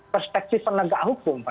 perspektif penegak hukum